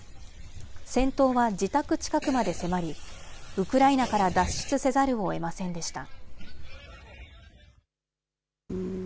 戦闘は自宅近くまで迫り、ウクライナから脱出せざるをえませんでした。